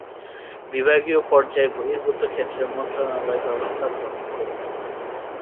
বিভাগীয় পর্যায় বহির্ভূত ক্ষেত্রে মন্ত্রণালয় ব্যবস্থা গ্রহণ করবেন।